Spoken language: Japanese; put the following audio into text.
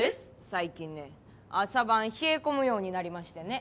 最近ね朝晩冷え込むようになりましてね。